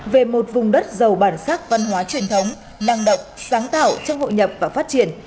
về một vùng đất giàu bản sắc văn hóa truyền thống năng động sáng tạo trong hội nhập và phát triển